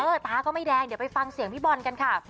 ตาก็ไม่แดงเดี๋ยวไปฟังเสียงพี่บอลกันค่ะ